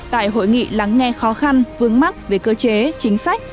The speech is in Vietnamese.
tại hội nghị lắng nghe khó khăn vướng mắt về cơ chế chính sách